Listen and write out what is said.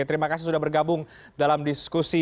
terima kasih sudah bergabung dalam diskusi